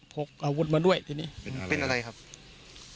พกอาวุธมาด้วยทีนี้เป็นอะไรครับ